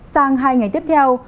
sang hai ngày tiếp theo